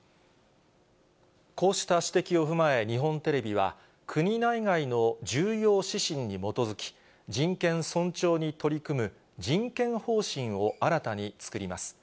こうした指摘を踏まえ、日本テレビは、国内外の重要指針に基づき、人権尊重に取り組む人権方針を新たに作ります。